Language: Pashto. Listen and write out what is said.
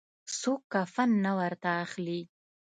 څوک کفن نه ورته اخلي.